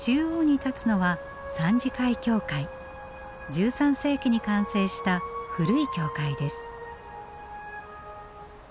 １３世紀に完成した古い教会です。